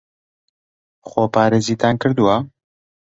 خۆپارێزیتان کردووە؟